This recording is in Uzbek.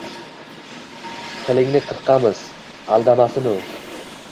-Tilingni qirqamiz, aldamasin u!